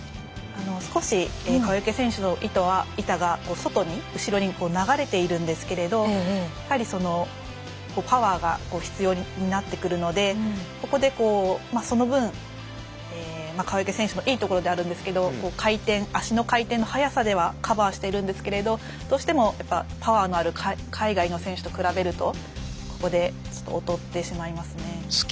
少し、川除選手の板が外に、後ろに流れているんですけどパワーが必要になってくるのでここでその分川除選手のいいところではあるんですけれど足の回転の速さではカバーしているんですけれどどうしてもパワーのある海外の選手と比べるとここで劣ってしまいますね。